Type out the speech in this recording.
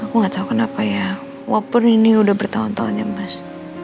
aku gak tau kenapa ya walaupun ini udah bertahun tahunnya mas